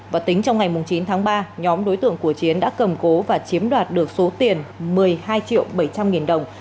và tính trong ngày chín tháng ba nhóm đối tượng của chiến đã cầm cố và chiếm đoạt được số tiền một mươi hai triệu bảy trăm linh nghìn đồng